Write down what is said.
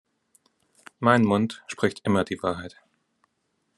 Mein Mund spricht immer die Wahrheit.